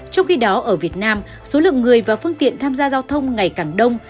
trong khi đó ở việt nam số lượng người và phương tiện tham gia giao thông ngày càng đông